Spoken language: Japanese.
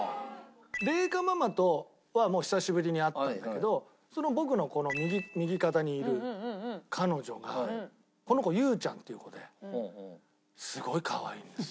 麗華ママとはもう久しぶりに会ったんだけど僕の右肩にいる彼女がこの子優ちゃんっていう子ですごいかわいいんですよ。